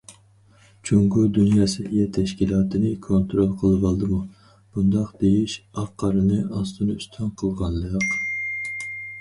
جۇڭگو دۇنيا سەھىيە تەشكىلاتىنى كونترول قىلىۋالدىمۇ؟ بۇنداق دېيىش ئاق- قارىنى ئاستىن- ئۈستۈن قىلغانلىق!